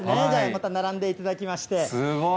また並んでいただきまして。